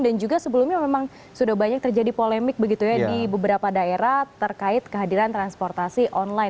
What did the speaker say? dan juga sebelumnya memang sudah banyak terjadi polemik di beberapa daerah terkait kehadiran transportasi online